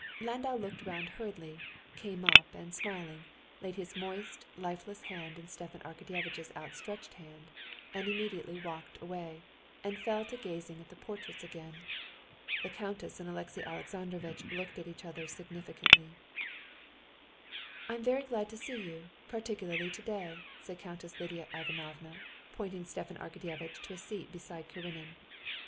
Landau looked round hurriedly, came up, and smiling, laid his moist, lifeless hand in Stepan Arkadyevitch's outstretched hand and immediately walked away and fell to gazing at the portraits again. The countess and Alexey Alexandrovitch looked at each other significantly. "I am very glad to see you, particularly today," said Countess Lidia Ivanovna, pointing Stepan Arkadyevitch to a seat beside Karenin.